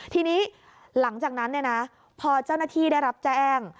ทีนี้หลังจากนั้นพอเจ้าหน้าที่ได้รับแจ้ง